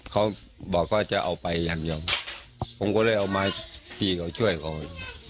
เขาบอกว่าจะเอาไปอย่างเดียวผมก็เลยเอาไม้ตีเขาช่วยเขา